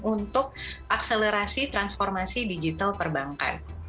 untuk akselerasi transformasi digital perbankan